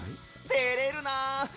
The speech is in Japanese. てれるな。